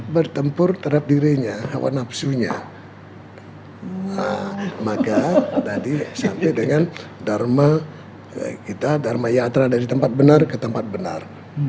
bertempur terhadap dirinya hawa nafsunya maka sampai dengan dharma yatra dari tempat benar ke tempat benar